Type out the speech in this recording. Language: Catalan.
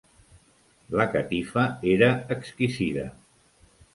La catifa era exquisida.